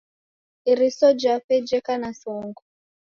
Iriso jape jeka na songo.